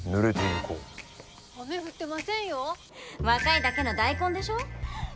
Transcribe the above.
若いだけの大根でしょ。